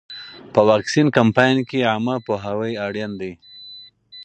په واکسین کمپاین کې عامه پوهاوی اړین دی.